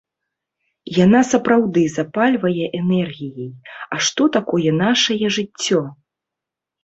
Яна сапраўды запальвае энергіяй, а што такое нашае жыццё?